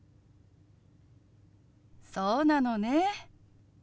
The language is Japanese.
そうなのね。